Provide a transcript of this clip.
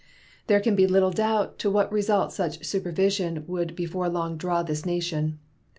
There can be little doubt to what result such supervision would before long draw this nation.